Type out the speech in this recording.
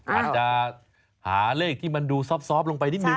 อาจจะหาเลขที่มันดูซอบลงไปนิดนึ